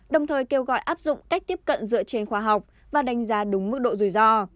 đồng thời kêu gọi áp dụng cách tiếp cận dựa trên khoa học và đánh giá đúng mức độ rủi ro